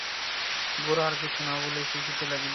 গোরা আর কিছু না বলিয়া লিখিতে লাগিল।